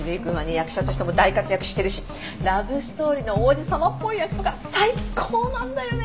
役者としても大活躍してるしラブストーリーの王子様っぽい役とか最高なんだよね！